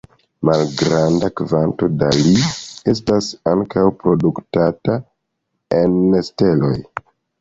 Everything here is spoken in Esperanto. Malgranda kvanto da Li estas ankaŭ produktata en steloj.